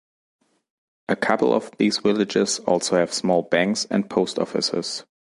A couple of these villages also have small banks and post offices.